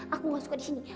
aku gak suka disini